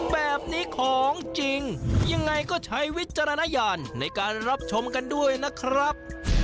แบบนี้ของจริงยังไงก็ใช้วิจารณญาณในการรับชมกันด้วยนะครับ